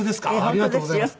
ありがとうございます。